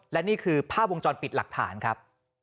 และนี่คือภาพวงจรปิดหลักฐานครับ